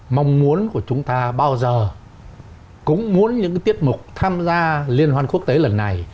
mong muốn của chúng ta bao giờ cũng muốn những tiết mục tham gia liên hoan quốc tế lần này